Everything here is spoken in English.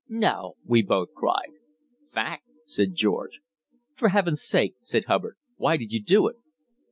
"No!" we both cried. "Fact," said George. "For Heaven's sake," said Hubbard, "why did you do it?"